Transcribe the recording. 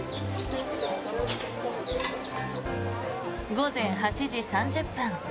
午前８時３０分。